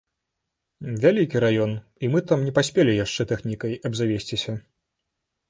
Вялікі раён, і мы там не паспелі яшчэ тэхнікай абзавесціся.